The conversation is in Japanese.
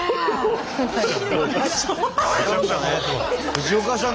藤岡さん